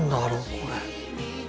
これ。